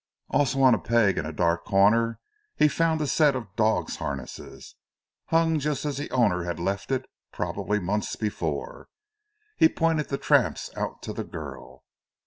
Also on a peg in a dark corner he found a set of dogs' harness hung just as the owner had left it, probably months before. He pointed the traps out to the girl.